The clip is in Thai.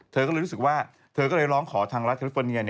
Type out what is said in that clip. เธอก็เลยรู้สึกว่าเธอก็เลยร้องขอทางรัฐแคลิฟอร์เนีย